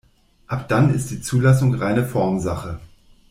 Ab dann ist die Zulassung reine Formsache.